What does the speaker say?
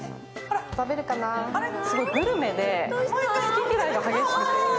すごいグルメで、本当好き嫌いが激しくて。